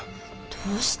どうして？